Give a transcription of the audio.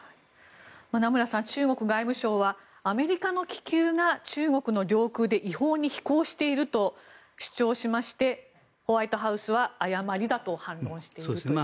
名村さん、中国外務省はアメリカの気球が中国の領空で違法に飛行していると主張しましてホワイトハウスは誤りだと反論しているという状況です。